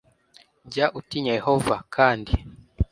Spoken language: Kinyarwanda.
jya utinya yehova kandi